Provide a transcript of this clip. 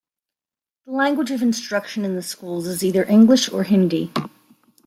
The language of instruction in the schools is either English or Hindi.